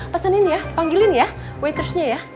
pesenin ya panggilin ya waitersnya ya